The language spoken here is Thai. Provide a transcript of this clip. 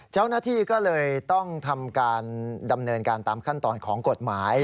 เจ้าหน้าที่ก็เลยต้องทำการดำเนินการตามขั้นตอนของกฎหมาย